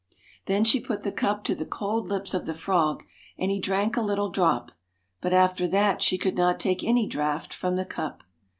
Then she put the cup to the cold lips of the frog, and he drank a little drop, but after that she could not take any draught from the cup.